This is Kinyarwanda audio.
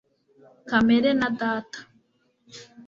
kamere na data